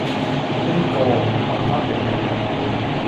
呢個，還返畀你！